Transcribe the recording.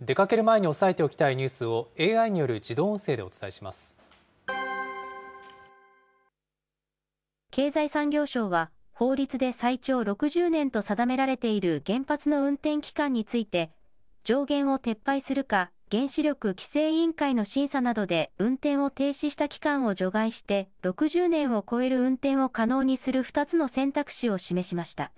出かける前に押さえておきたいニュースをＡＩによる自動音声でお経済産業省は、法律で最長６０年と定められている原発の運転期間について、上限を撤廃するか、原子力規制委員会の審査などで運転を停止した期間を除外して、６０年を超える運転を可能にする２つの選択肢を示しました。